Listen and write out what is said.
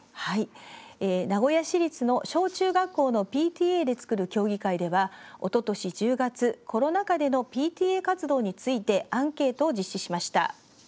名古屋市立の小中学校のＰＴＡで作る協議会ではおととし１０月コロナ禍でのＰＴＡ活動についてアンケートを実施しました。